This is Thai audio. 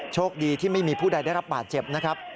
โชคดีที่ไม่มีผู้ใดได้รับบาดเจ็บนะครับ